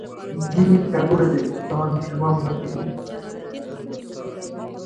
ځینې کتابونه د انسان ژوند بدلوي.